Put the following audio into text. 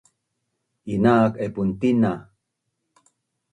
Inak naipun tina